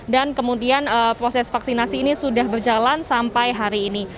dan kemudian proses vaksinasi ini sudah berjalan sampai hari ini